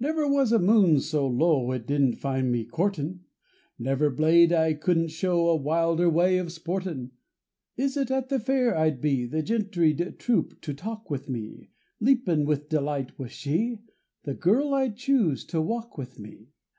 Never was a moon so low it didn't find me courtin', Never blade I couldn't show a wilder way of sportin'. (Is it at the fair I'd be, the gentry'd troop to talk with me; Leapin' with delight was she, the girl I'd choose to walk with me.)